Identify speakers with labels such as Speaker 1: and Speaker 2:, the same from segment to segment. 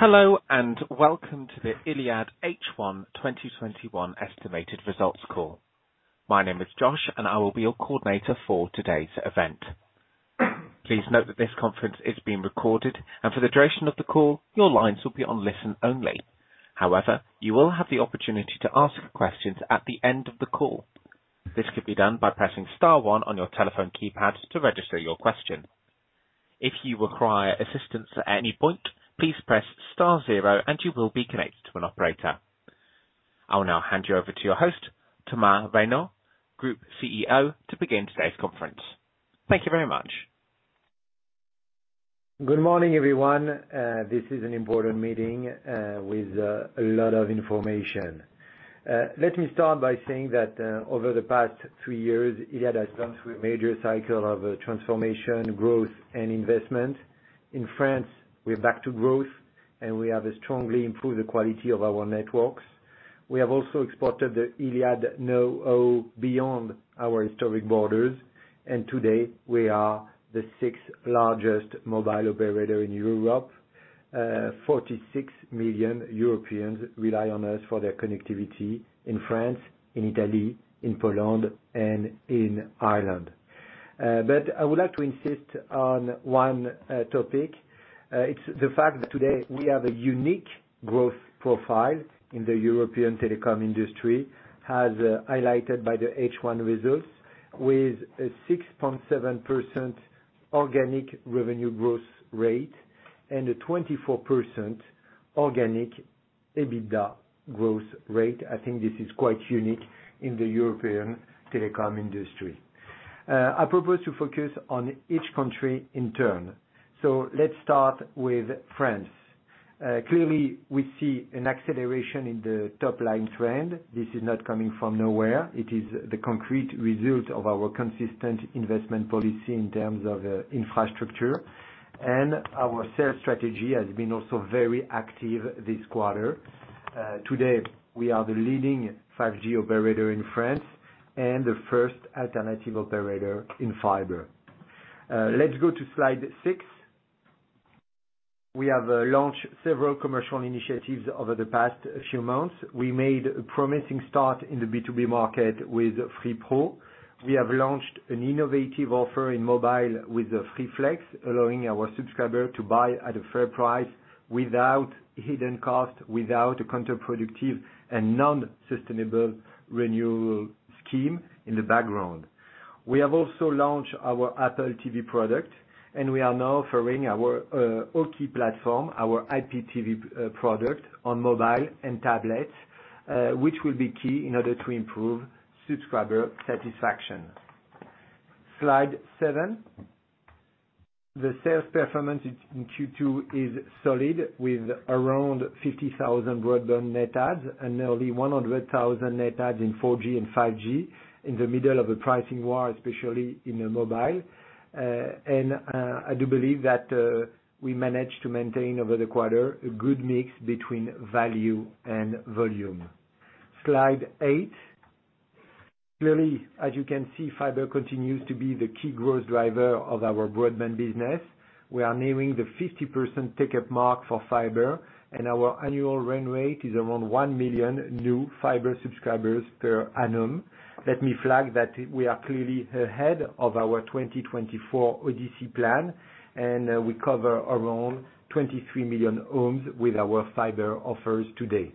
Speaker 1: Hello, and welcome to the Iliad H1 2021 estimated results call. My name is Josh, and I will be your coordinator for today's event. Please note that this conference is being recorded, and for the duration of the call, your lines will be on listen only. However, you will have the opportunity to ask questions at the end of the call. This can be done by pressing star one on your telephone keypad to register your question. If you require assistance at any point, please press star zero and you will be connected to an operator. I will now hand you over to your host, Thomas Reynaud, Group CEO, to begin today's conference. Thank you very much.
Speaker 2: Good morning, everyone. This is an important meeting with a lot of information. Let me start by saying that over the past three years, Iliad has gone through a major cycle of transformation, growth, and investment. In France, we're back to growth, and we have strongly improved the quality of our networks. We have also exported the Iliad know how beyond our historic borders, and today we are the sixth largest mobile operator in Europe. 46 million Europeans rely on us for their connectivity in France, in Italy, in Poland, and in Ireland. I would like to insist on one topic. It's the fact that today we have a unique growth profile in the European telecom industry as highlighted by the H1 results with a 6.7% organic revenue growth rate and a 24% organic EBITDA growth rate. I think this is quite unique in the European telecom industry. I propose to focus on each country in turn. Let's start with France. Clearly, we see an acceleration in the top-line trend. This is not coming from nowhere. It is the concrete result of our consistent investment policy in terms of infrastructure. Our sales strategy has been also very active this quarter. Today, we are the leading 5G operator in France and the first alternative operator in fiber. Let's go to Slide 6. We have launched several commercial initiatives over the past few months. We made a promising start in the B2B market with Free Pro. We have launched an innovative offer in mobile with the Free Flex, allowing our subscribers to buy at a fair price without hidden cost, without a counterproductive and non-sustainable renewal scheme in the background. We have also launched our Apple TV product, we are now offering our OQEE platform, our IPTV product, on mobile and tablet, which will be key in order to improve subscriber satisfaction. Slide 7. The sales performance in Q2 is solid with around 50,000 broadband net adds and nearly 100,000 net adds in 4G and 5G in the middle of a pricing war, especially in mobile. I do believe that we managed to maintain over the quarter a good mix between value and volume. Slide 8. Clearly, as you can see, fiber continues to be the key growth driver of our broadband business. We are nearing the 50% take-up mark for fiber, and our annual run rate is around 1 million new fiber subscribers per annum. Let me flag that we are clearly ahead of our 2024 Odyssey plan. We cover around 23 million homes with our fiber offers today.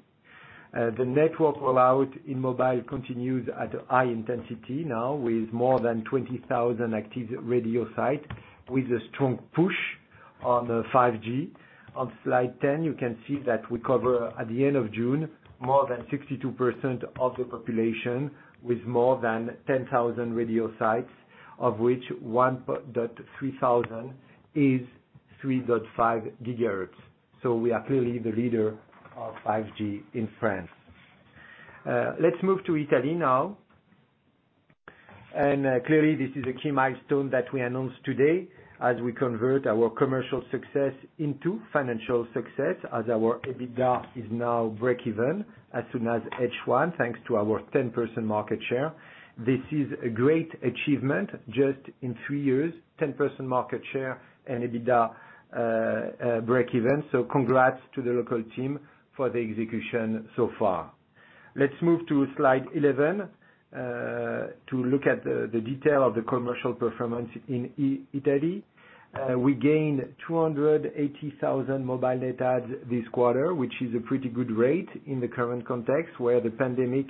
Speaker 2: The network rollout in mobile continues at high intensity now with more than 20,000 active radio sites with a strong push on the 5G. On Slide 10, you can see that we cover at the end of June, more than 62% of the population with more than 10,000 radio sites, of which 1.300 is 3.5 GHz. We are clearly the leader of 5G in France. Let's move to Italy now. Clearly, this is a key milestone that we announce today as we convert our commercial success into financial success as our EBITDA is now breakeven as soon as H1, thanks to our 10% market share. This is a great achievement. Just in three years, 10% market share and EBITDA breakeven. Congrats to the local team for the execution so far. Let's move to Slide 11 to look at the detail of the commercial performance in Italy. We gained 280,000 mobile net adds this quarter, which is a pretty good rate in the current context, where the pandemic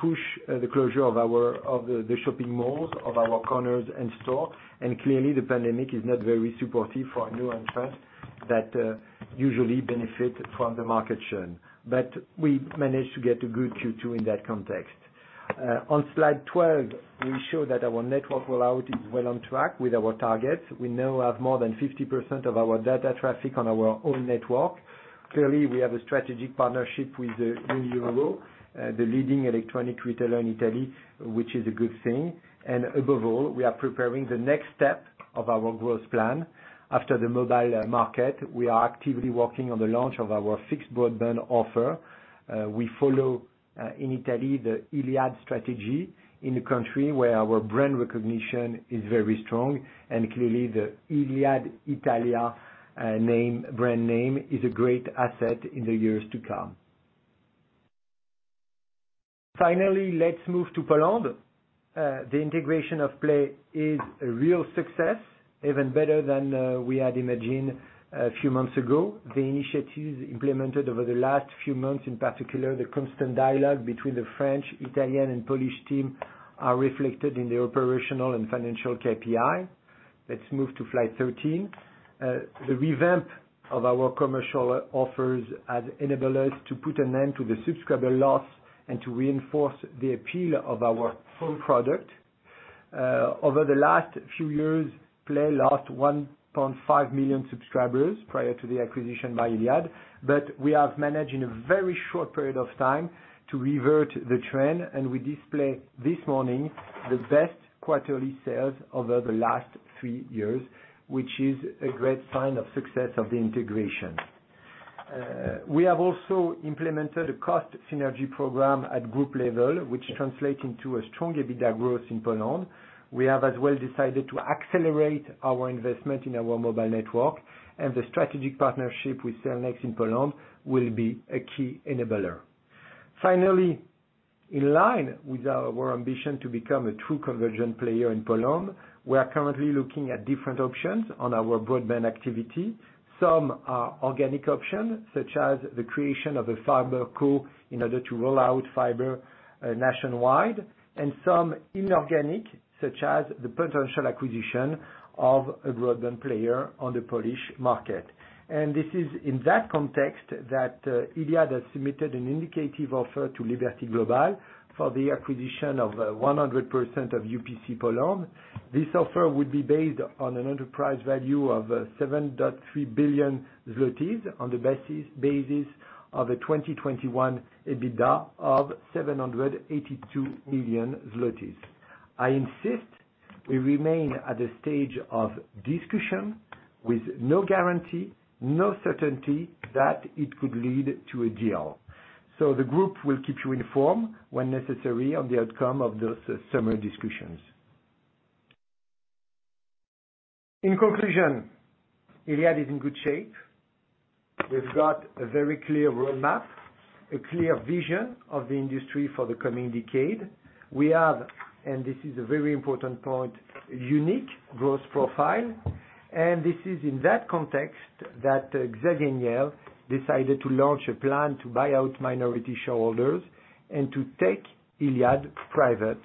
Speaker 2: push the closure of the shopping malls, of our corners and store. Clearly, the pandemic is not very supportive for new entrants that usually benefit from the market churn. We managed to get a good Q2 in that context. On Slide 12, we show that our network rollout is well on track with our targets. We now have more than 50% of our data traffic on our own network. Clearly, we have a strategic partnership with Unieuro, the leading electronic retailer in Italy, which is a good thing. Above all, we are preparing the next step of our growth plan. After the mobile market, we are actively working on the launch of our fixed broadband offer. We follow in Italy, the Iliad strategy in the country where our brand recognition is very strong, and clearly the Iliad Italia brand name is a great asset in the years to come. Finally, let's move to Poland. The integration of Play is a real success, even better than we had imagined a few months ago. The initiatives implemented over the last few months, in particular, the constant dialogue between the French, Italian, and Polish team, are reflected in the operational and financial KPI. Let's move to Slide 13. The revamp of our commercial offers has enabled us to put an end to the subscriber loss and to reinforce the appeal of our home product. Over the last few years, Play lost 1.5 million subscribers prior to the acquisition by Iliad, but we have managed in a very short period of time to revert the trend, and we display this morning the best quarterly sales over the last three years, which is a great sign of success of the integration. We have also implemented a cost synergy program at group level, which translates into a strong EBITDA growth in Poland. We have as well decided to accelerate our investment in our mobile network, and the strategic partnership with Cellnex in Poland will be a key enabler. Finally, in line with our ambition to become a true convergent player in Poland, we are currently looking at different options on our broadband activity. Some are organic options, such as the creation of a FiberCo in order to roll out fiber nationwide, some inorganic, such as the potential acquisition of a broadband player on the Polish market. This is in that context that Iliad has submitted an indicative offer to Liberty Global for the acquisition of 100% of UPC Poland. This offer would be based on an enterprise value of 7.3 billion zlotys on the basis of a 2021 EBITDA of 782 million zlotys. I insist we remain at a stage of discussion with no guarantee, no certainty that it could lead to a deal. The group will keep you informed when necessary on the outcome of those summary discussions. In conclusion, Iliad is in good shape. We've got a very clear roadmap, a clear vision of the industry for the coming decade. We have, and this is a very important point, unique growth profile. This is in that context that Xavier Niel decided to launch a plan to buy out minority shareholders and to take Iliad private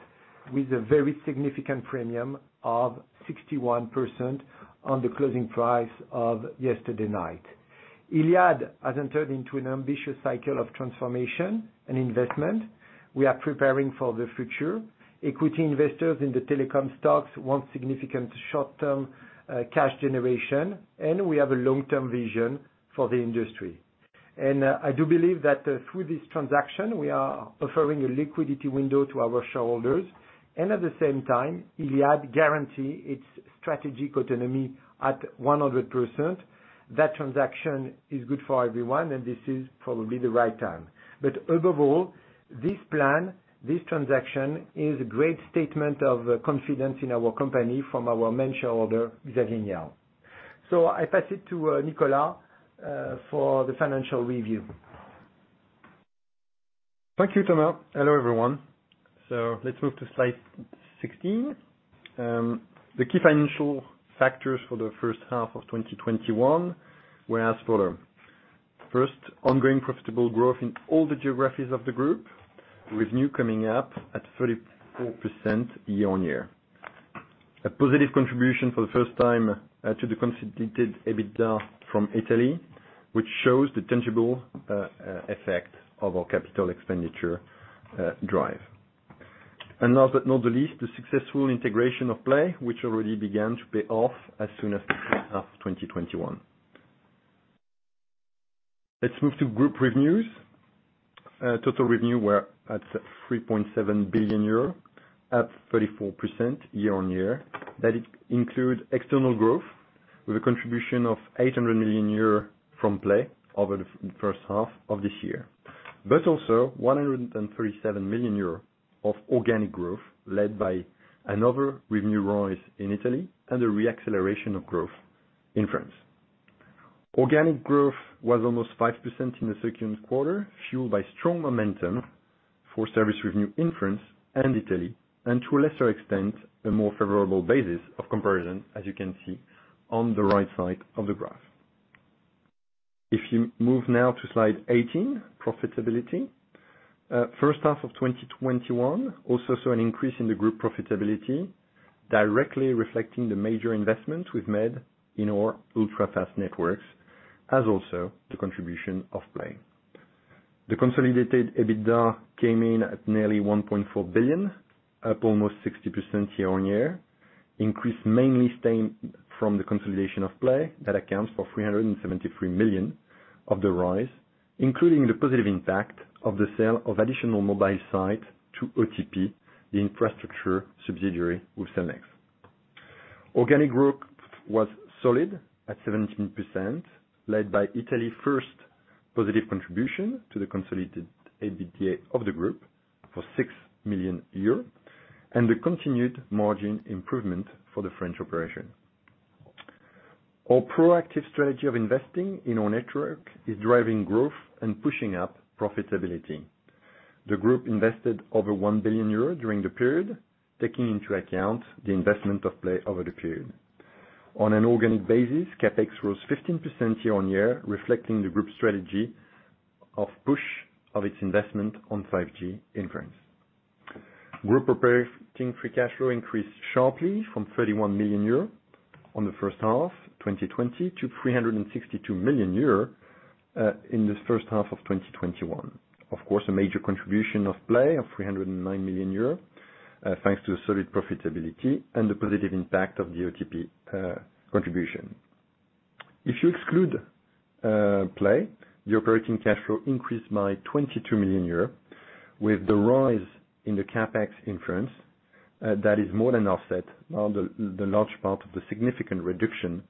Speaker 2: with a very significant premium of 61% on the closing price of yesterday night. Iliad has entered into an ambitious cycle of transformation and investment. We are preparing for the future. Equity investors in the telecom stocks want significant short-term cash generation, and we have a long-term vision for the industry. I do believe that through this transaction, we are offering a liquidity window to our shareholders, and at the same time, Iliad guarantee its strategic autonomy at 100%. That transaction is good for everyone, and this is probably the right time. Above all, this plan, this transaction, is a great statement of confidence in our company from our main shareholder, Xavier Niel. I pass it to Nicolas for the financial review.
Speaker 3: Thank you, Thomas. Hello, everyone. Let's move to Slide 16. The key financial factors for the first half of 2021 were as follows. First, ongoing profitable growth in all the geographies of the group, with new coming up at 34% year-over-year. A positive contribution for the first time to the consolidated EBITDA from Italy, which shows the tangible effect of our capital expenditure drive. Last but not the least, the successful integration of Play, which already began to pay off as soon as the first half of 2021. Let's move to group revenues. Total revenue were at 3.7 billion euro, up 34% year-over-year. That includes external growth with a contribution of 800 million euros from Play over the first half of this year. Also 137 million euros of organic growth led by another revenue rise in Italy and a re-acceleration of growth in France. Organic growth was almost 5% in the second quarter, fueled by strong momentum for service revenue in France and Italy, and to a lesser extent, a more favorable basis of comparison, as you can see on the right side of the graph. If you move now to Slide 18, profitability. First half of 2021 also saw an increase in the group profitability, directly reflecting the major investments we've made in our ultra-fast networks, as also the contribution of Play. The consolidated EBITDA came in at nearly 1.4 billion, up almost 60% year-on-year. Increase mainly stemmed from the consolidation of Play. That accounts for 373 million of the rise, including the positive impact of the sale of additional mobile site to OTP, the infrastructure subsidiary with Cellnex. Organic growth was solid at 17%, led by Italia first positive contribution to the consolidated EBITDA of the group for 6 million euros, and the continued margin improvement for the French operation. Our proactive strategy of investing in our network is driving growth and pushing up profitability. The group invested over 1 billion euros during the period, taking into account the investment of Play over the period. On an organic basis, CapEx rose 15% year-on-year, reflecting the group's strategy of push of its investment on 5G in France. Group operating free cash flow increased sharply from 31 million euro on the first half 2020 to 362 million euro in the first half of 2021, of course, a major contribution of Play of 309 million euro, thanks to the solid profitability and the positive impact of the OTP contribution. If you exclude Play, the operating cash flow increased by 22 million euros, with the rise in the CapEx in France that is more than offset on the large part of the significant reduction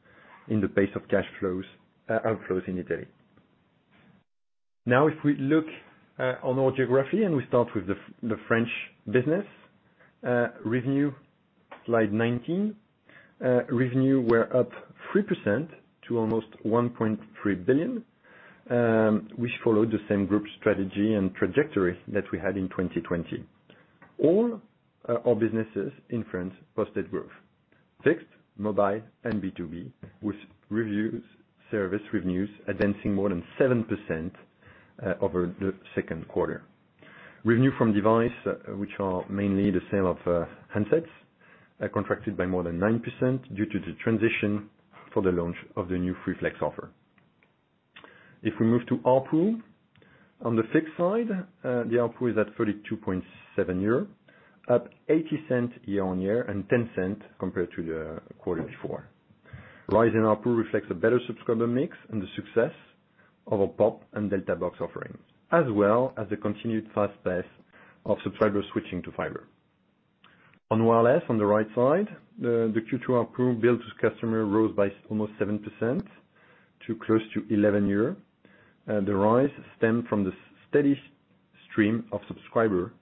Speaker 3: in the pace of cash outflows in Italy. If we look on our geography and we start with the French business. Revenue, Slide 19. Revenue were up 3% to almost 1.3 billion, which followed the same group strategy and trajectory that we had in 2020. All our businesses in France posted growth. Fixed, Mobile, and B2B, with service revenues advancing more than 7% over the second quarter. Revenue from device, which are mainly the sale of handsets, contracted by more than 9% due to the transition for the launch of the new Free Flex offer. If we move to ARPU. On the fixed side, the ARPU is at 32.7 euro, up 0.80 year-on-year and 0.10 compared to the quarter before. Rise in ARPU reflects a better subscriber mix and the success of our Pop and Delta box offerings, as well as the continued fast pace of subscribers switching to fiber. On wireless, on the right side, the Q2 ARPU billed to customer rose by almost 7% to close to 11 euro. The rise stemmed from the steady stream of subscriber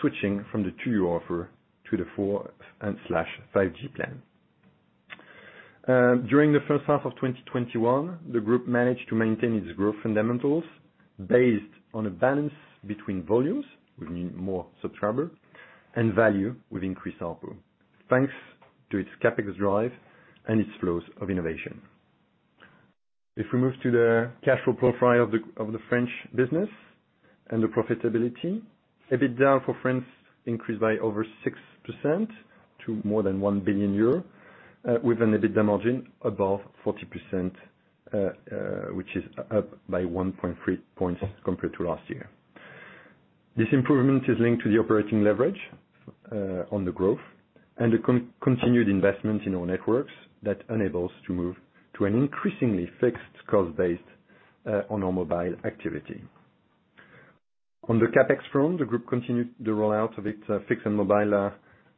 Speaker 3: switching from the two-year offer to the 4G and 5G plan. During the first half of 2021, the group managed to maintain its growth fundamentals based on a balance between volumes, which mean more subscribers, and value with increased ARPU, thanks to its CapEx drive and its flows of innovation. If we move to the cash flow profile of the French business and the profitability. EBITDA for France increased by over 6% to more than 1 billion euro, with an EBITDA margin above 40%, which is up by 1.3 points compared to last year. This improvement is linked to the operating leverage on the growth and the continued investment in our networks that enables to move to an increasingly fixed cost base on our mobile activity. On the CapEx front, the group continued the rollout of its fixed and mobile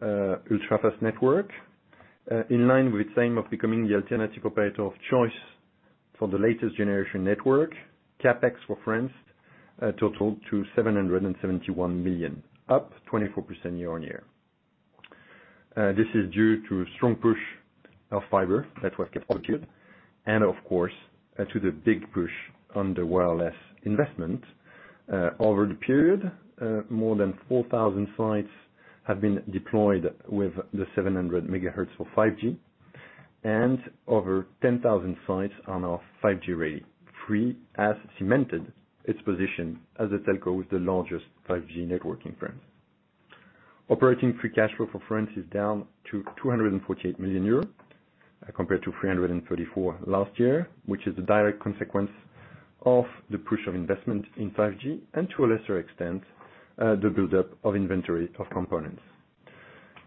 Speaker 3: ultra-fast network. In line with its aim of becoming the alternative operator of choice for the latest generation network, CapEx for France totaled to 771 million, up 24% year-on-year. This is due to strong push of fiber network and of course, to the big push on the wireless investment. Over the period, more than 4,000 sites have been deployed with the 700 MHz for 5G, and over 10,000 sites are now 5G ready. Free has cemented its position as the telco with the largest 5G network in France. Operating free cash flow for France is down to 248 million euros, compared to 334 million last year, which is the direct consequence of the push of investment in 5G, and to a lesser extent, the buildup of inventory of components.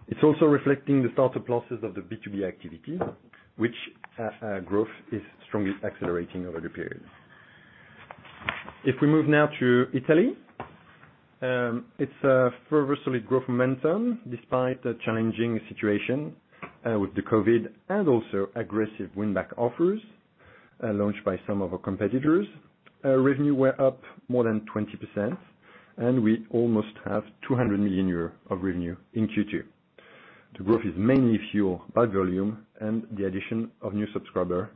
Speaker 3: It's also reflecting the startup losses of the B2B activity, which growth is strongly accelerating over the period. If we move now to Italy. Its further solid growth momentum despite the challenging situation with the COVID and also aggressive win-back offers launched by some of our competitors. Revenue were up more than 20%, We almost have 200 million euros of revenue in Q2. The growth is mainly fueled by volume and the addition of new subscriber.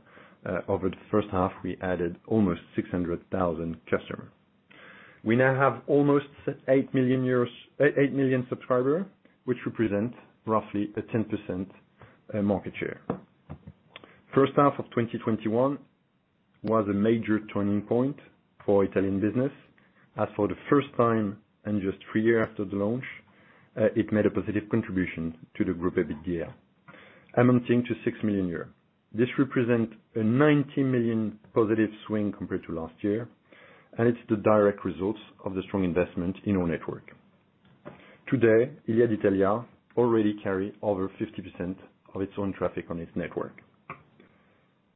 Speaker 3: Over the first half, we added almost 600,000 customers. We now have almost 8 million subscribers, which represent roughly a 10% market share. First half of 2021 was a major turning point for Italian business, as for the first time in just three years after the launch, it made a positive contribution to the group EBITDA amounting to 6 million euros. This represent a 19 million positive swing compared to last year, and it's the direct result of the strong investment in our network. Today, Iliad Italia already carry over 50% of its own traffic on its network.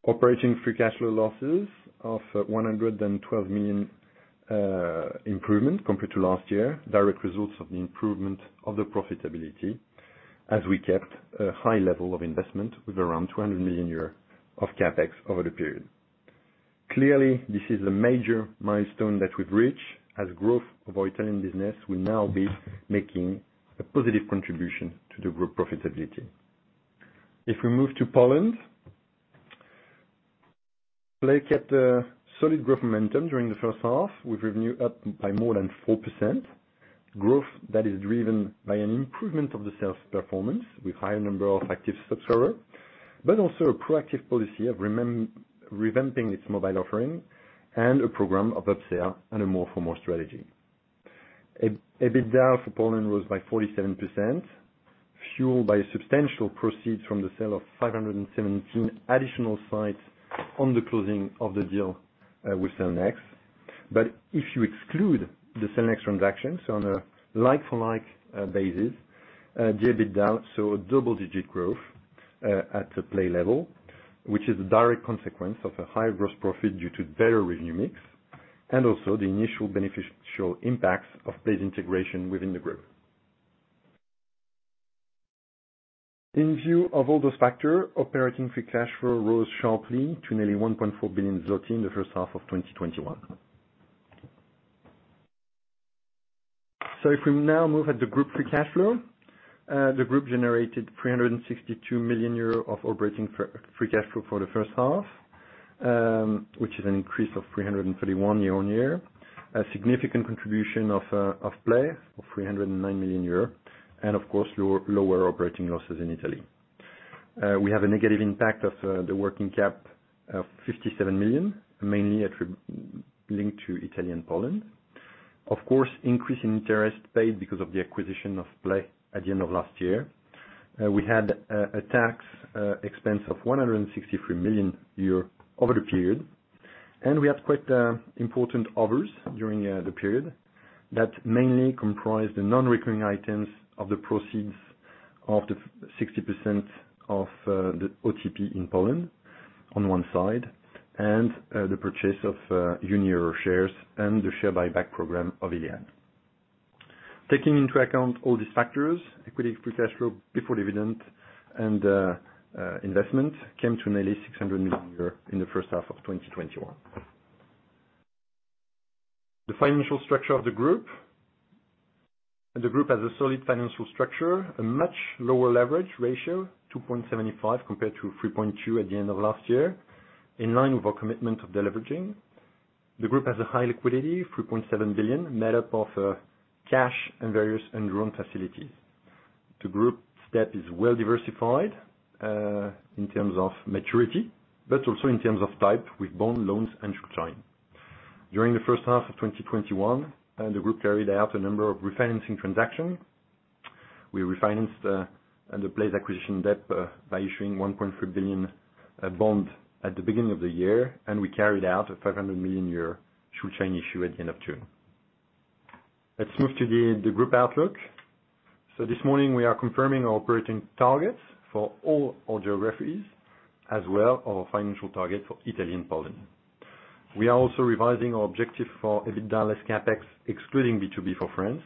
Speaker 3: Operating free cash flow losses of 112 million improvement compared to last year, direct results of the improvement of the profitability as we kept a high level of investment with around 200 million euros of CapEx over the period. Clearly, this is a major milestone that we've reached as growth of our Italian business will now be making a positive contribution to the group profitability. If we move to Poland. Play kept a solid growth momentum during the first half, with revenue up by more than 4%. Growth that is driven by an improvement of the sales performance, with higher number of active subscribers, but also a proactive policy of revamping its mobile offering and a program of upsell and a more for more strategy. EBITDA for Poland rose by 47%, fueled by substantial proceeds from the sale of 517 additional sites on the closing of the deal with Cellnex. If you exclude the Cellnex transaction, so on a like-for-like basis, the EBITDA saw a double-digit growth at the Play level, which is a direct consequence of a higher gross profit due to better revenue mix, and also the initial beneficial impacts of Play's integration within the group. In view of all those factor, operating free cash flow rose sharply to nearly 1.4 billion zloty in the first half of 2021. If we now move at the group free cash flow. The group generated 362 million euro of operating free cash flow for the first half, which is an increase of 331 year-over-year. A significant contribution of Play of 309 million euro, and of course, lower operating losses in Italy. We have a negative impact of the working cap of 57 million, mainly linked to Italy and Poland. Of course, increase in interest paid because of the acquisition of Play at the end of last year. We had a tax expense of 163 million euro over the period, and we had quite important others during the period that mainly comprised the non-recurring items of the proceeds of the 60% of the OTP in Poland on one side, and the purchase of Unieuro shares and the share buyback program of Iliad. Taking into account all these factors, equity free cash flow before dividend and investment came to nearly 600 million euros in the first half of 2021. The financial structure of the group. The group has a solid financial structure, a much lower leverage ratio, 2.75 compared to 3.2 at the end of last year. In line with our commitment of deleveraging. The group has a high liquidity, 3.7 billion, made up of cash and various and drawn facilities. The group debt is well diversified, in terms of maturity, but also in terms of type, with bond loans and short time. During the first half of 2021, the group carried out a number of refinancing transactions. We refinanced the Play acquisition debt by issuing 1.3 billion bond at the beginning of the year, and we carried out a 500 million Schuldschein issue at the end of June. Let's move to the group outlook. This morning we are confirming our operating targets for all our geographies, as well our financial targets for Italy and Poland. We are also revising our objective for EBITDA less CapEx, excluding B2B for France,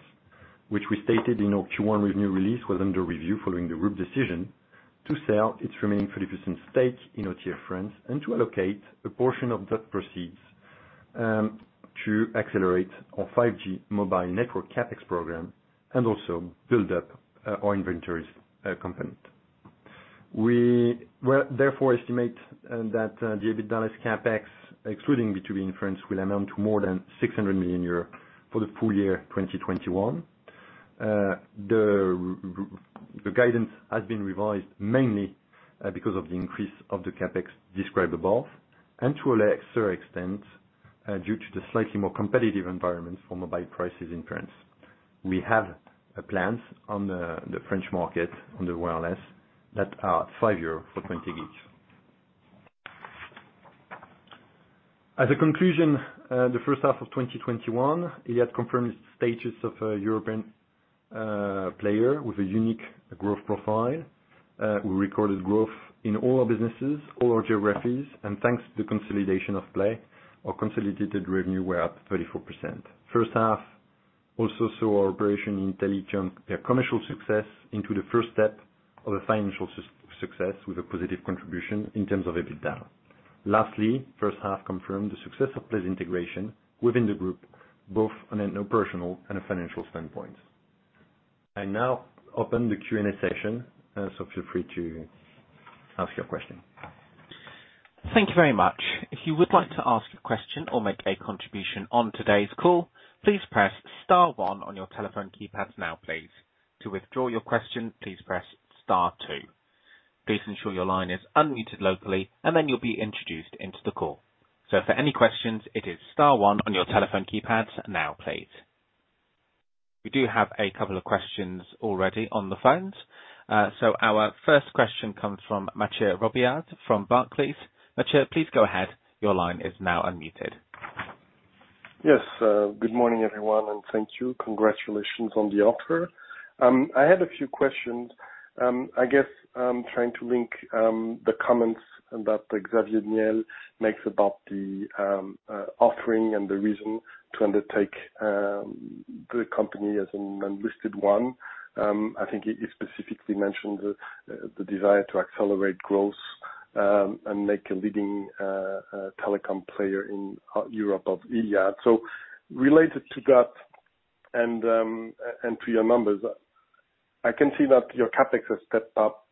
Speaker 3: which we stated in our Q1 revenue release was under review following the group decision to sell its remaining 30% stake in On Tower France, and to allocate a portion of that proceeds to accelerate our 5G mobile network CapEx program and also build up our inventories component. We therefore estimate that the EBITDA less CapEx, excluding B2B in France, will amount to more than 600 million euros for the full year 2021. The guidance has been revised mainly because of the increase of the CapEx described above, and to a lesser extent, due to the slightly more competitive environment for mobile prices in France. We have plans on the French market, on the wireless, that are 5 euros for 20 GB each. As a conclusion, the first half of 2021, Iliad confirmed its status of a European player with a unique growth profile. We recorded growth in all our businesses, all our geographies, and thanks to the consolidation of Play, our consolidated revenue were up 34%. First half also saw our operation in Italy jump a commercial success into the first step of a financial success with a positive contribution in terms of EBITDA. Lastly, first half confirmed the success of Play's integration within the group, both on an operational and a financial standpoint. I now open the Q&A session. Feel free to ask your question.
Speaker 1: Thank you very much. If you would like to ask a question or make a contribution on today's call, please press star one on your telephone keypads now, please. To withdraw your question, please press star two. Please ensure your line is unmuted locally, and then you'll be introduced into the call. For any questions, it is star one on your telephone keypads now, please. We do have a couple of questions already on the phones. Our first question comes from Mathieu Robilliard from Barclays. Mathieu, please go ahead. Your line is now unmuted.
Speaker 4: Yes. Good morning, everyone, and thank you. Congratulations on the offer. I had a few questions. I guess I'm trying to link the comments that Xavier Niel makes about the offering and the reason to undertake. The company as an unlisted one. I think you specifically mentioned the desire to accelerate growth, and make a leading telecom player in Europe of Iliad. Related to that and to your numbers, I can see that your CapEx has stepped up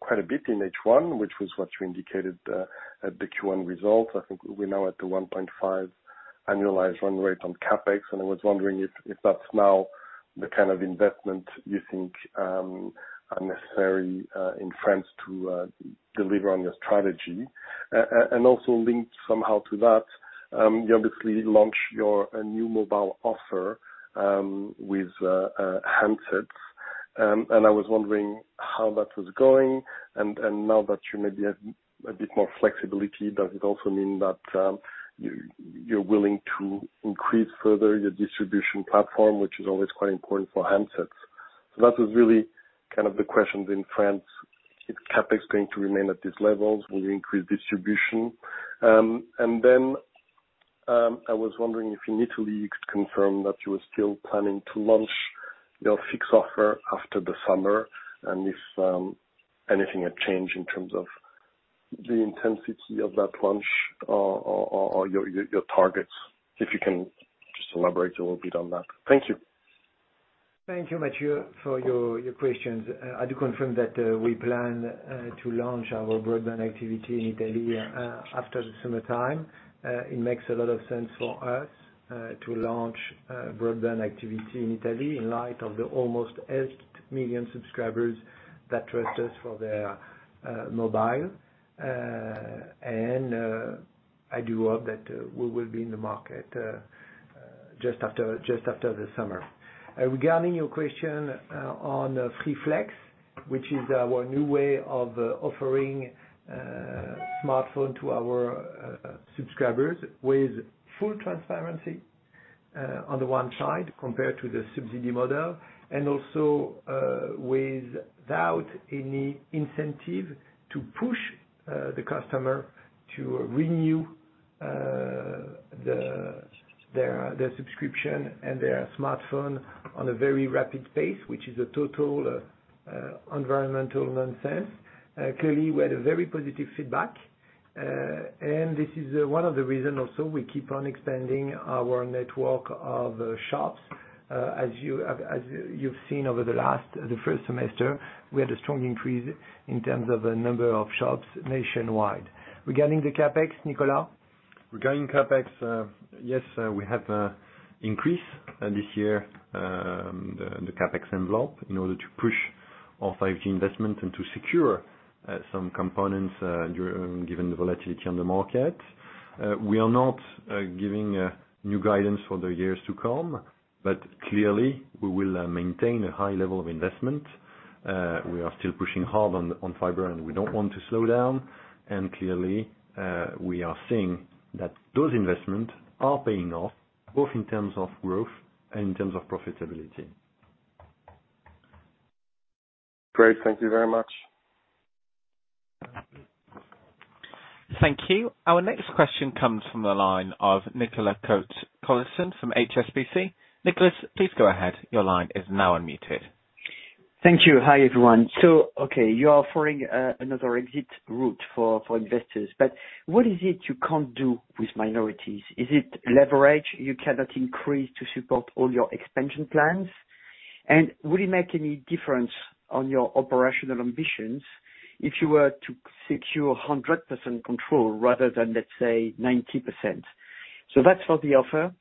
Speaker 4: quite a bit in H1, which was what you indicated at the Q1 results. I think we're now at the 1.5 annualized run rate on CapEx, and I was wondering if that's now the kind of investment you think are necessary in France to deliver on your strategy. Also linked somehow to that, you obviously launch your new mobile offer, with handsets. I was wondering how that was going. Now that you maybe have a bit more flexibility, does it also mean that you're willing to increase further your distribution platform, which is always quite important for handsets? That was really kind of the questions in France. Is CapEx going to remain at these levels? Will you increase distribution? I was wondering if in Italy you could confirm that you are still planning to launch your fixed offer after the summer, and if anything had changed in terms of the intensity of that launch or your targets, if you can just elaborate a little bit on that. Thank you.
Speaker 2: Thank you, Mathieu, for your questions. I do confirm that we plan to launch our broadband activity in Italy after the summertime. It makes a lot of sense for us to launch broadband activity in Italy in light of the almost 8 million subscribers that trust us for their mobile. I do hope that we will be in the market just after the summer. Regarding your question on Free Flex, which is our new way of offering a smartphone to our subscribers with full transparency on the one side, compared to the subsidy model. Also, without any incentive to push the customer to renew their subscription and their smartphone on a very rapid pace, which is a total environmental nonsense. Clearly, we had a very positive feedback. This is one of the reasons also we keep on expanding our network of shops. As you've seen over the first semester, we had a strong increase in terms of the number of shops nationwide. Regarding the CapEx, Nicolas.
Speaker 3: Regarding CapEx, yes, we have increased this year, the CapEx envelope in order to push our 5G investment and to secure some components given the volatility on the market. We are not giving new guidance for the years to come, but clearly we will maintain a high level of investment. We are still pushing hard on fiber, and we don't want to slow down. Clearly, we are seeing that those investments are paying off, both in terms of growth and in terms of profitability.
Speaker 4: Great. Thank you very much.
Speaker 1: Thank you. Our next question comes from the line of Nicolas Cote-Colisson from HSBC. Nicolas, please go ahead. You line is now unmuted.
Speaker 5: Thank you. Hi, everyone. Okay, you are offering another exit route for investors, what is it you can't do with minorities? Is it leverage you cannot increase to support all your expansion plans? Would it make any difference on your operational ambitions if you were to secure 100% control rather than, let's say, 90%? That's for the offer.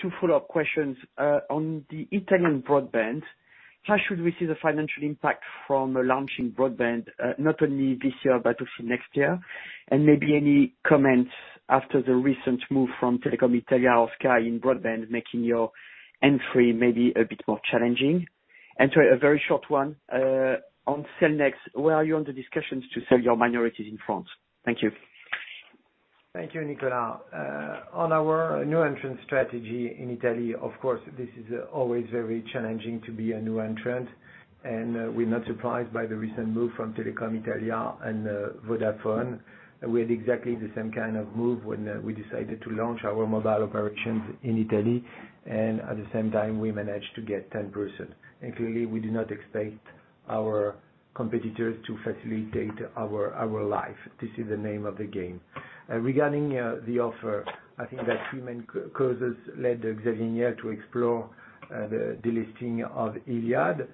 Speaker 5: Two follow-up questions. On the Italian broadband, how should we see the financial impact from launching broadband, not only this year but also next year? Maybe any comments after the recent move from Telecom Italia or Sky in broadband making your entry maybe a bit more challenging. Sorry, a very short one, on Cellnex, where are you on the discussions to sell your minorities in France? Thank you.
Speaker 2: Thank you, Nicolas. On our new entrant strategy in Italy, of course, this is always very challenging to be a new entrant. We're not surprised by the recent move from Telecom Italia and Vodafone. We had exactly the same kind of move when we decided to launch our mobile operations in Italy. At the same time, we managed to get 10%. Clearly, we do not expect our competitors to facilitate our life. This is the name of the game. Regarding the offer, I think that three main causes led Xavier to explore the delisting of Iliad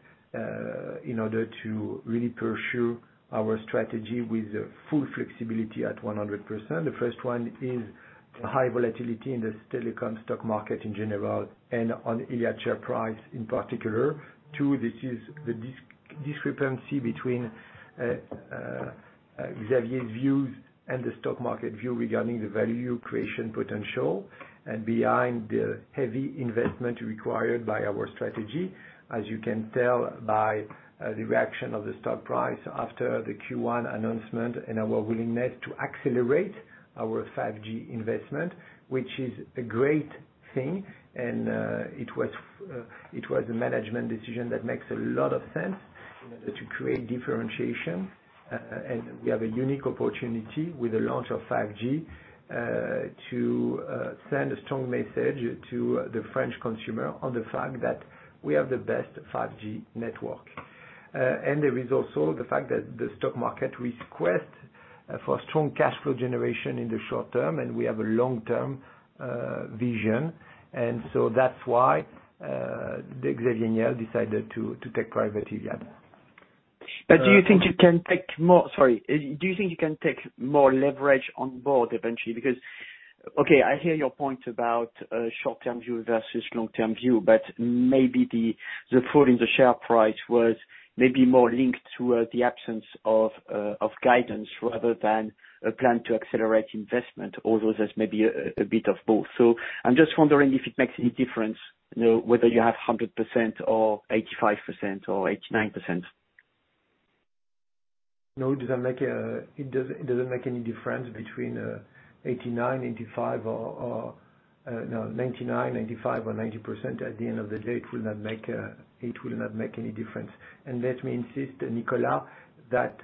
Speaker 2: in order to really pursue our strategy with full flexibility at 100%. The first one is the high volatility in the telecom stock market in general, on Iliad share price in particular. Two, this is the discrepancy between Xavier's views and the stock market view regarding the value creation potential. Behind the heavy investment required by our strategy, as you can tell by the reaction of the stock price after the Q1 announcement and our willingness to accelerate our 5G investment, which is a great thing. It was a management decision that makes a lot of sense in order to create differentiation. We have a unique opportunity with the launch of 5G to send a strong message to the French consumer on the fact that we have the best 5G network. There is also the fact that the stock market request for strong cash flow generation in the short term, and we have a long-term vision. That's why Xavier Niel decided to take private Iliad.
Speaker 5: Sorry. Do you think you can take more leverage on board eventually? Okay, I hear your point about short-term view versus long-term view, but maybe the fall in the share price was maybe more linked to the absence of guidance rather than a plan to accelerate investment, although there's maybe a bit of both. I'm just wondering if it makes any difference, whether you have 100% or 85% or 89%.
Speaker 2: No, it doesn't make any difference between 99%, 95% or 90%. At the end of the day, it will not make any difference. Let me insist, Nicolas, that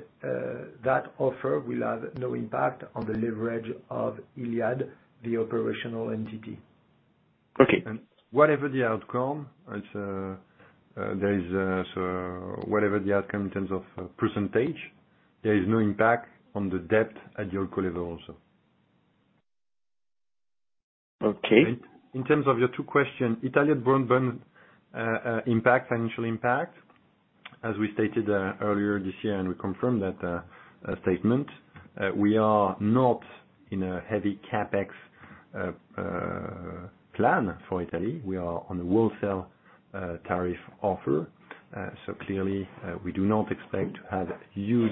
Speaker 2: offer will have no impact on the leverage of Iliad, the operational entity.
Speaker 5: Okay.
Speaker 3: Whatever the outcome in terms of percentage, there is no impact on the debt at your core level also.
Speaker 5: Okay.
Speaker 3: In terms of your two question, Italian broadband impact, financial impact. As we stated earlier this year, and we confirm that statement, we are not in a heavy CapEx plan for Italy. We are on a wholesale tariff offer. Clearly, we do not expect to have huge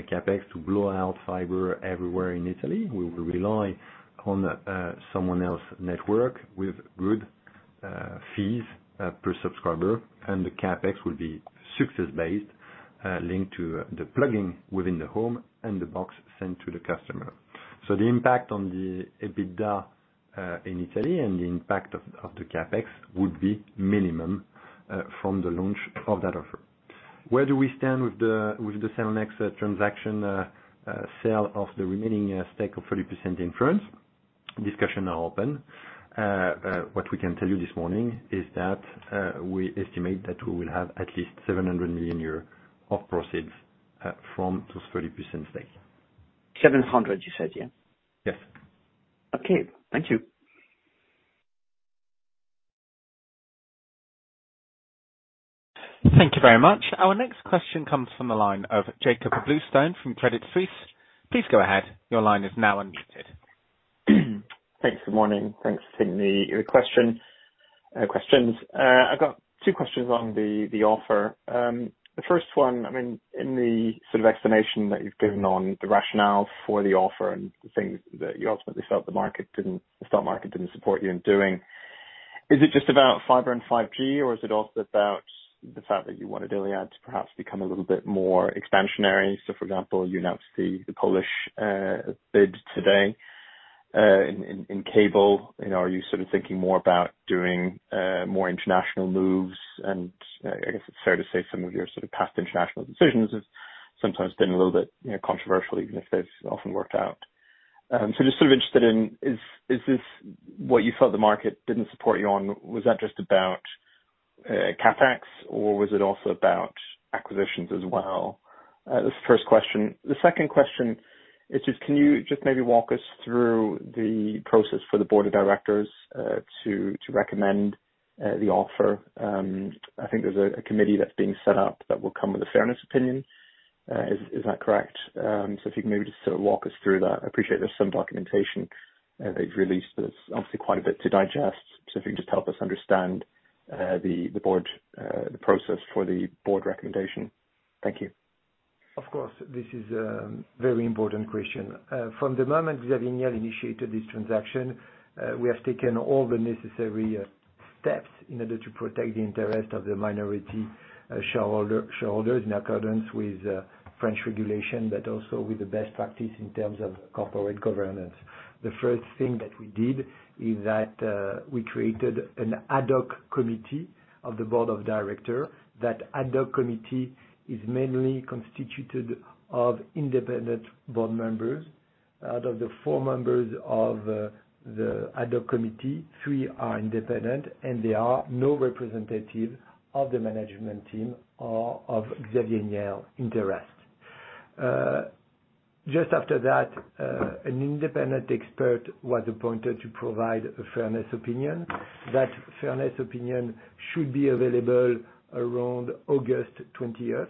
Speaker 3: CapEx to blow out fiber everywhere in Italy. We will rely on someone else network with good fees per subscriber, and the CapEx will be success-based linked to the plugging within the home and the box sent to the customer. The impact on the EBITDA in Italy and the impact of the CapEx would be minimum from the launch of that offer. Where do we stand with the Cellnex transaction sale of the remaining stake of 30% in France? Discussions are open. What we can tell you this morning is that we estimate that we will have at least 700 million euros of proceeds from those 30% stake.
Speaker 5: ER 700 million, you said, yeah?
Speaker 3: Yes.
Speaker 5: Okay. Thank you.
Speaker 1: Thank you very much. Our next question comes from the line of Jakob Bluestein from Credit Suisse. Please go ahead. Your line is now unmuted.
Speaker 6: Thanks. Good morning. Thanks for taking the questions. I've got two questions on the offer. The first one, in the sort of explanation that you've given on the rationale for the offer and the things that you ultimately felt the stock market didn't support you in doing, is it just about fiber and 5G, or is it also about the fact that you wanted Iliad to perhaps become a little bit more expansionary? For example, you announced the Polish bid today in cable. Are you sort of thinking more about doing more international moves? I guess it's fair to say some of your sort of past international decisions have sometimes been a little bit controversial, even if they've often worked out. Just sort of interested in, is this what you felt the market didn't support you on? Was that just about CapEx, or was it also about acquisitions as well? That's the first question. The second question is just can you just maybe walk us through the process for the board of directors to recommend the offer? I think there's a committee that's being set up that will come with a fairness opinion. Is that correct? If you can maybe just sort of walk us through that. I appreciate there's some documentation they've released, but it's obviously quite a bit to digest. If you can just help us understand the process for the board recommendation. Thank you.
Speaker 2: Of course. This is a very important question. From the moment Xavier Niel initiated this transaction, we have taken all the necessary steps in order to protect the interest of the minority shareholders in accordance with French regulation, but also with the best practice in terms of corporate governance. The first thing that we did is that we created an ad hoc committee of the board of directors. That ad hoc committee is mainly constituted of independent board members. Out of the four members of the ad hoc committee, three are independent, and there are no representative of the management team or of Xavier Niel interest. Just after that, an independent expert was appointed to provide a fairness opinion. That fairness opinion should be available around August 20th.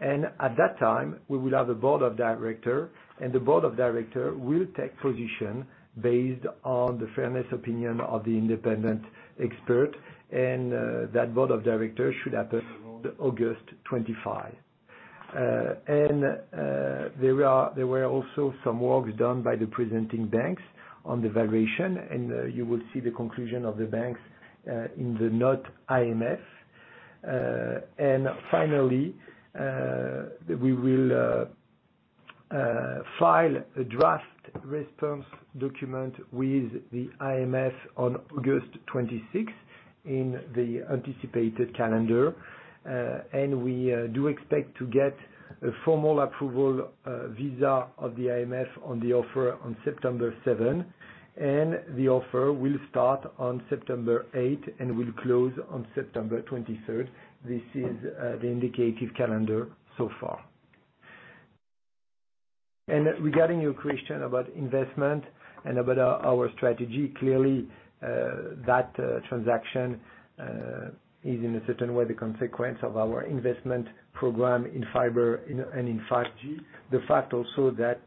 Speaker 2: At that time, we will have a Board of Director, and the Board of Director will take position based on the fairness opinion of the independent expert, and that Board of Director should happen around August 25. There were also some works done by the presenting banks on the valuation, and you will see the conclusion of the banks in the note AMF. Finally, we will file a draft response document with the AMF on August 26th in the anticipated calendar. We do expect to get a formal approval visa of the AMF on the offer on September 7th. The offer will start on September 8th and will close on September 23rd. This is the indicative calendar so far. Regarding your question about investment and about our strategy, clearly that transaction is in a certain way the consequence of our investment program in fiber and in 5G. The fact also that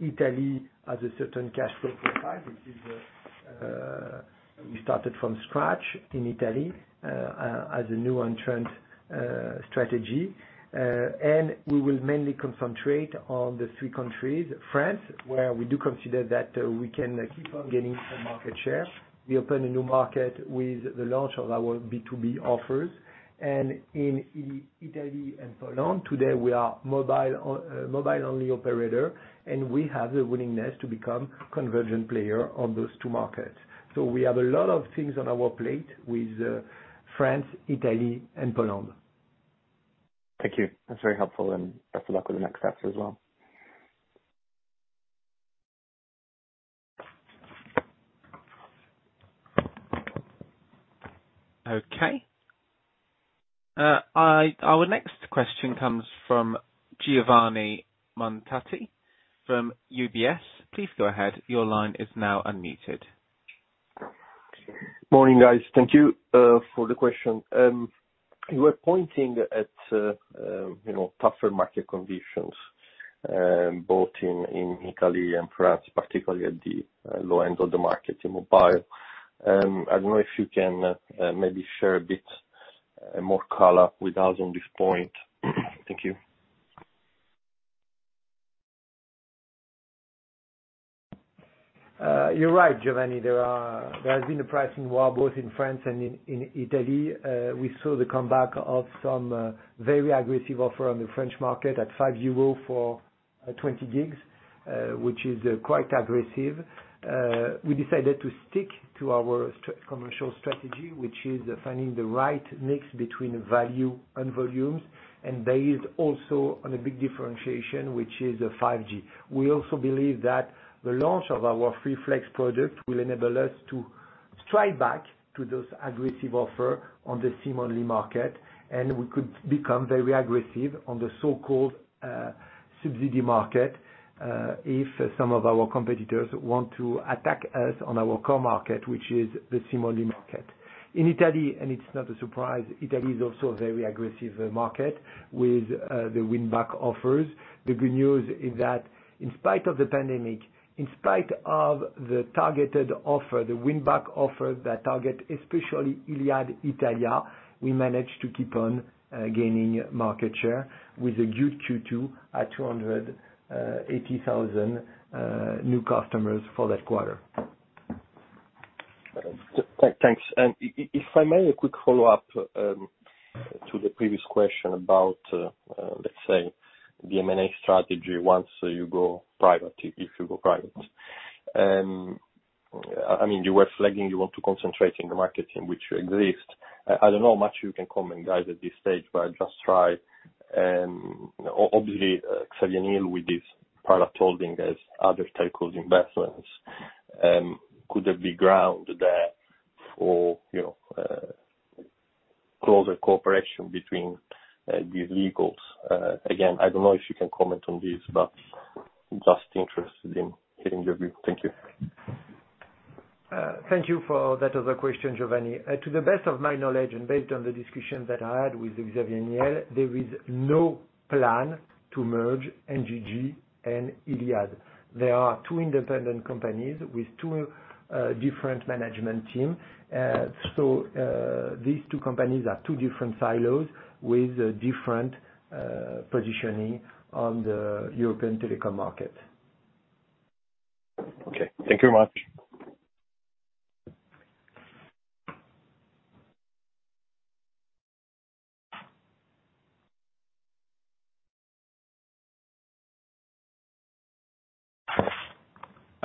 Speaker 2: Italy has a certain cash flow profile, which is we started from scratch in Italy as a new entrant strategy. We will mainly concentrate on the three countries, France, where we do consider that we can keep on gaining some market share. We open a new market with the launch of our B2B offers. In Italy and Poland, today we are mobile-only operator, and we have the willingness to become convergent player on those two markets. We have a lot of things on our plate with France, Italy and Poland.
Speaker 6: Thank you. That's very helpful and best of luck with the next steps as well.
Speaker 1: Okay. Our next question comes from Giovanni Montalti from UBS. Please go ahead. Your line is now unmuted.
Speaker 7: Morning, guys. Thank you for the question. You were pointing at tougher market conditions both in Italy and France, particularly at the low end of the market in mobile. I don't know if you can maybe share a bit more color with us on this point. Thank you.
Speaker 2: You're right, Giovanni. There has been a pricing war both in France and in Italy. We saw the comeback of some very aggressive offers on the French market at 5 euros for 20 GB, which is quite aggressive. We decided to stick to our commercial strategy, which is finding the right mix between value and volumes, and based also on a big differentiation, which is 5G. We also believe that the launch of our Free Flex product will enable us to strike back to those aggressive offers on the SIM-only market. We could become very aggressive on the so-called subsidy market if some of our competitors want to attack us on our core market, which is the SIM-only market. In Italy, and it's not a surprise, Italy is also a very aggressive market with the win-back offers. The good news is that in spite of the pandemic, in spite of the targeted offer, the win-back offer that target, especially Iliad Italia, we managed to keep on gaining market share with a good Q2 at 280,000 new customers for that quarter.
Speaker 7: Thanks. If I may, a quick follow-up to the previous question about, let's say, the M&A strategy once you go private, if you go private. You were flagging you want to concentrate in the market in which you exist. I don't know how much you can comment, guys, at this stage, but I just try. Obviously, Xavier Niel with this part of holding has other stakeholders' investments. Could there be ground there for closer cooperation between these legal? Again, I don't know if you can comment on this, but just interested in hearing your view. Thank you.
Speaker 2: Thank you for that other question, Giovanni. To the best of my knowledge, and based on the discussion that I had with Xavier Niel, there is no plan to merge NJJ and Iliad. They are two independent companies with two different management team. These two companies are two different silos with different positioning on the European telecom market.
Speaker 7: Okay. Thank you very much.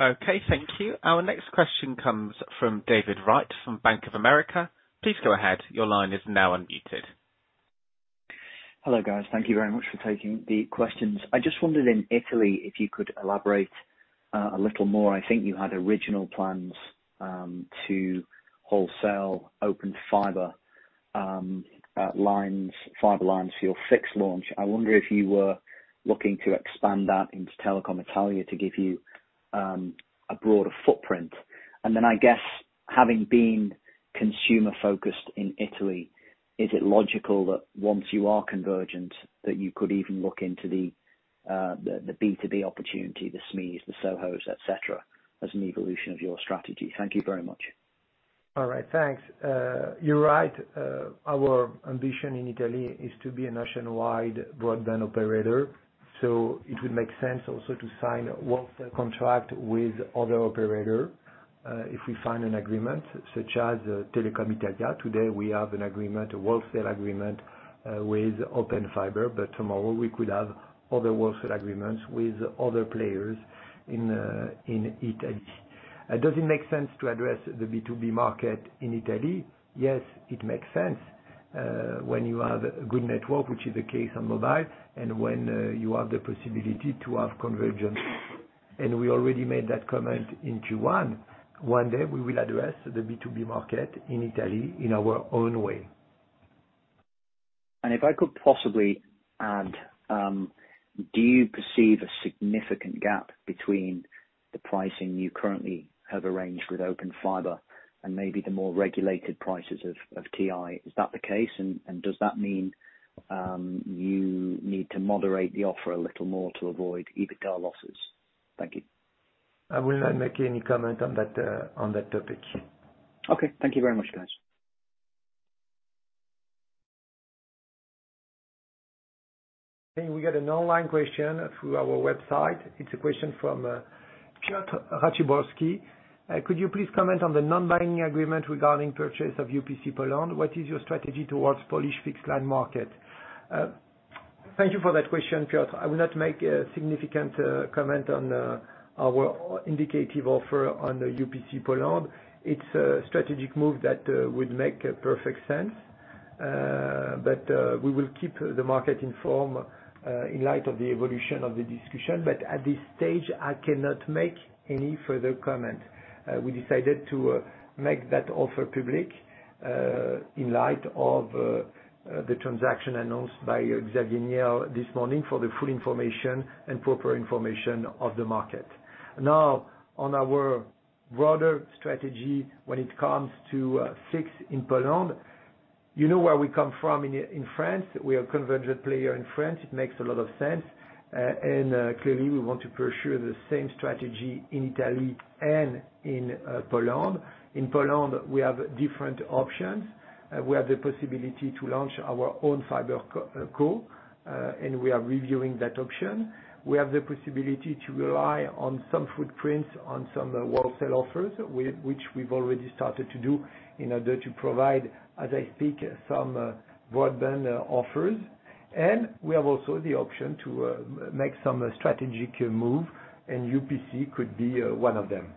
Speaker 1: Okay, thank you. Our next question comes from David Wright from Bank of America. Please go ahead. Your line is now unmuted.
Speaker 8: Hello, guys. Thank you very much for taking the questions. I just wondered in Italy, if you could elaborate a little more. I think you had original plans to wholesale Open Fiber lines, fiber lines for your fixed launch. I wonder if you were looking to expand that into Telecom Italia to give you a broader footprint. Then, I guess having been consumer focused in Italy, is it logical that once you are convergent that you could even look into the B2B opportunity, the SMEs, the SOHOs, et cetera, as an evolution of your strategy? Thank you very much.
Speaker 2: All right. Thanks. You're right. Our ambition in Italy is to be a nationwide broadband operator. It would make sense also to sign wholesale contract with other operator if we find an agreement such as Telecom Italia. Today we have an agreement, a wholesale agreement with Open Fiber, but tomorrow we could have other wholesale agreements with other players in Italy. Does it make sense to address the B2B market in Italy? Yes, it makes sense when you have a good network, which is the case on mobile, and when you have the possibility to have convergence. We already made that comment in Q1. One day we will address the B2B market in Italy in our own way.
Speaker 8: If I could possibly add, do you perceive a significant gap between the pricing you currently have arranged with Open Fiber and maybe the more regulated prices of TI? Is that the case, and does that mean you need to moderate the offer a little more to avoid EBITDA losses? Thank you.
Speaker 2: I will not make any comment on that topic.
Speaker 8: Okay. Thank you very much, guys.
Speaker 2: We got an online question through our website. It's a question from Piotr Raciborski. Could you please comment on the non-binding agreement regarding purchase of UPC Poland? What is your strategy towards Polish fixed line market? Thank you for that question, Piotr. I will not make a significant comment on our indicative offer on UPC Poland. It's a strategic move that would make perfect sense. We will keep the market informed in light of the evolution of the discussion. At this stage, I cannot make any further comment. We decided to make that offer public in light of the transaction announced by Xavier this morning for the full information and proper information of the market. On our broader strategy when it comes to fixed in Poland. You know where we come from in France. We are a convergent player in France. It makes a lot of sense. Clearly, we want to pursue the same strategy in Italy and in Poland. In Poland, we have different options. We have the possibility to launch our own FiberCo, and we are reviewing that option. We have the possibility to rely on some footprints on some wholesale offers, which we've already started to do in order to provide, as I speak, some broadband offers. We have also the option to make some strategic move, and UPC could be one of them.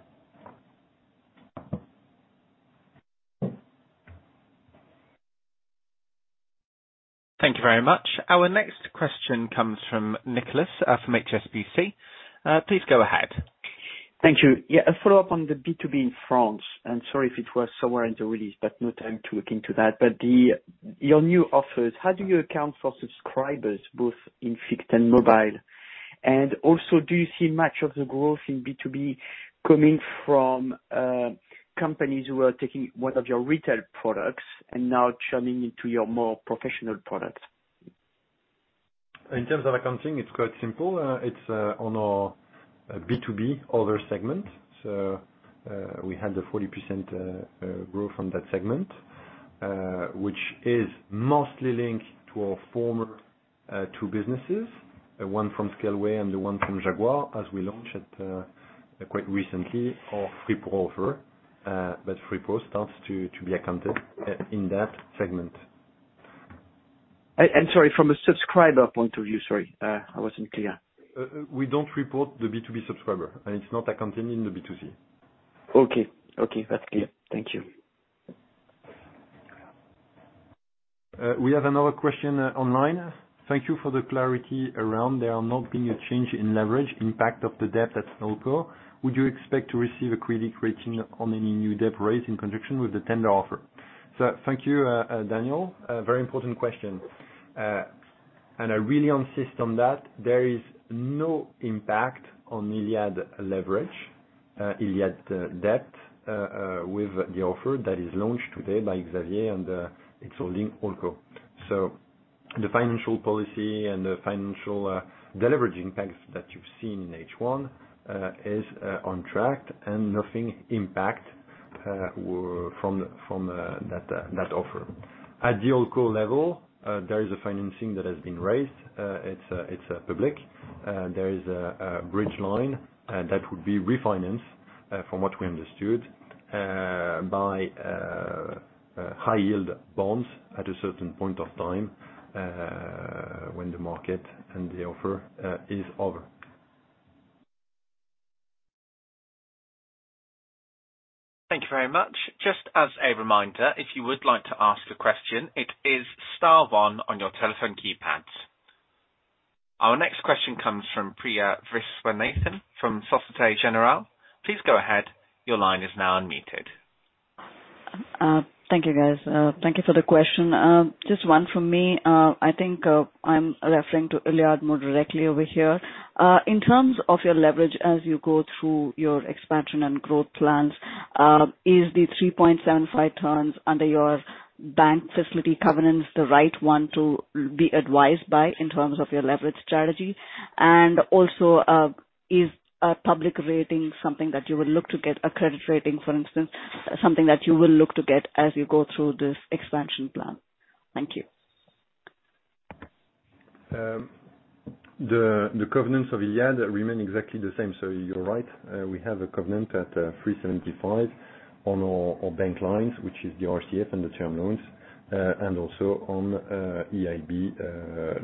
Speaker 1: Thank you very much. Our next question comes from Nicolas from HSBC. Please go ahead.
Speaker 5: Thank you. Yeah, a follow-up on the B2B in France, and sorry if it was somewhere in the release, but no time to look into that. Your new offers, how do you account for subscribers both in fixed and mobile? Also, do you see much of the growth in B2B coming from companies who are taking one of your retail products and now churning into your more professional products?
Speaker 3: In terms of accounting, it's quite simple. It's on our B2B other segment. We had the 40% growth from that segment, which is mostly linked to our former two businesses, one from Scaleway and the one from Jaguar, as we launched it quite recently our Free Pro offer. Free Pro starts to be accounted in that segment.
Speaker 5: Sorry, from a subscriber point of view, sorry, I wasn't clear.
Speaker 3: We don't report the B2B subscriber, and it's not accounted in the B2C.
Speaker 5: Okay. That's clear. Thank you.
Speaker 3: We have another question online. Thank you for the clarity around there not being a change in leverage impact of the debt at HoldCo. Would you expect to receive a credit rating on any new debt raised in conjunction with the tender offer? Thank you, Daniel. A very important question. I really insist on that there is no impact on Iliad leverage, Iliad debt with the offer that is launched today by Xavier and its holding HoldCo. The financial policy and the financial deleveraging impacts that you've seen in H1 is on track and nothing impact from that offer. At the HoldCo level, there is a financing that has been raised. It's public. There is a bridge line that would be refinanced from what we understood by high yield bonds at a certain point of time when the market and the offer is over.
Speaker 1: Thank you very much. Just as a reminder, if you would like to ask a question, it is star one on your telephone keypads. Our next question comes from Priya Viswanathan from Societe Generale. Please go ahead, your line is now unmuted.
Speaker 9: Thank you, guys. Thank you for the question. Just one from me. I think I'm referring to Iliad more directly over here. In terms of your leverage as you go through your expansion and growth plans, is the 3.75 terms under your bank facility covenants the right one to be advised by in terms of your leverage strategy? Also, is a public rating something that you would look to get a credit rating, for instance, something that you will look to get as you go through this expansion plan? Thank you.
Speaker 3: The covenants of Iliad remain exactly the same. You're right. We have a covenant at 3.75 on our bank lines, which is the RCF and the term loans, and also on EIB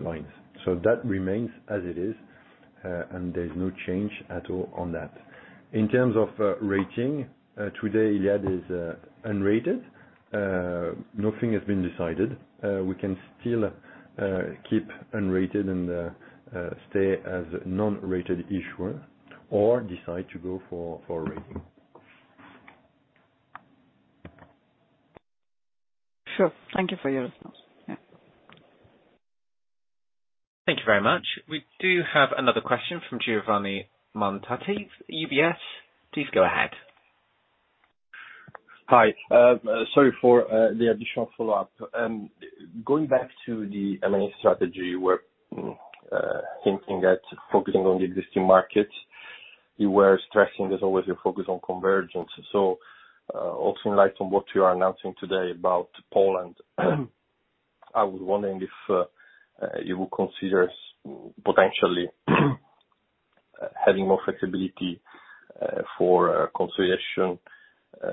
Speaker 3: lines. That remains as it is, and there's no change at all on that. In terms of rating, today, Iliad is unrated. Nothing has been decided. We can still keep unrated and stay as non-rated issuer or decide to go for a rating.
Speaker 9: Sure. Thank you for your response. Yeah.
Speaker 1: Thank you very much. We do have another question from Giovanni Montalti, UBS. Please go ahead.
Speaker 7: Hi. Sorry for the additional follow-up. Going back to the M&A strategy, we're thinking that focusing on the existing markets, you were stressing there's always a focus on convergence. Also in light of what you are announcing today about Poland, I was wondering if you would consider potentially having more flexibility for consolidation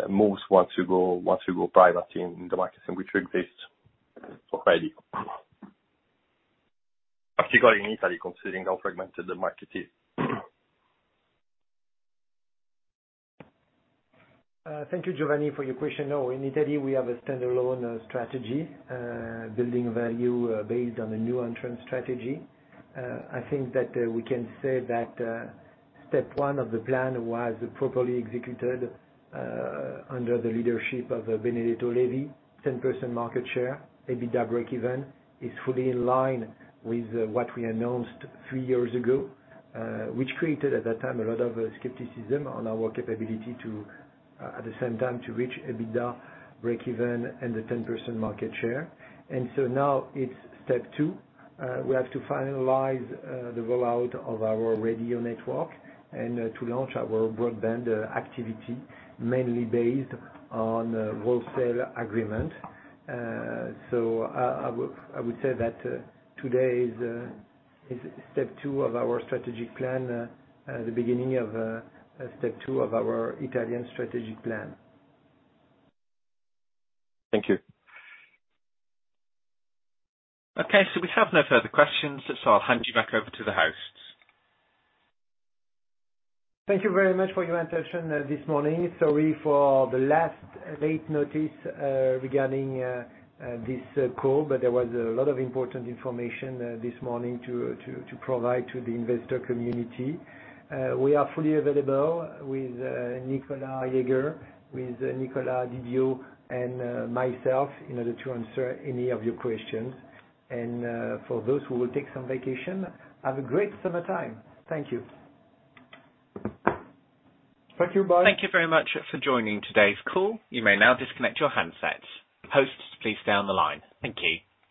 Speaker 7: moves once you go private in the markets in which you exist already. Particularly in Italy, considering how fragmented the market is.
Speaker 2: Thank you, Giovanni, for your question. No, in Italy we have a standalone strategy, building value based on a new entrant strategy. I think that we can say that step one of the plan was properly executed under the leadership of Benedetto Levi, 10% market share, EBITDA breakeven is fully in line with what we announced three years ago, which created, at that time, a lot of skepticism on our capability to, at the same time, to reach EBITDA breakeven and the 10% market share. Now it's step two. We have to finalize the rollout of our radio network and to launch our broadband activity, mainly based on wholesale agreement. I would say that today is step two of our strategic plan, the beginning of step two of our Italian strategic plan.
Speaker 7: Thank you.
Speaker 1: Okay, we have no further questions, so I'll hand you back over to the host.
Speaker 2: Thank you very much for your attention this morning. Sorry for the last late notice regarding this call, but there was a lot of important information this morning to provide to the investor community. We are fully available with Nicolas Jaeger, with Nicolas Didier, and myself in order to answer any of your questions. For those who will take some vacation, have a great summertime. Thank you.
Speaker 3: Thank you. Bye.
Speaker 1: Thank you very much for joining today's call. You may now disconnect your handsets. Hosts, please stay on the line. Thank you.